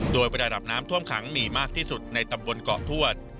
โดยประดับน้ำท่วมขังมีมากที่สุดในตำบลเกาะทวด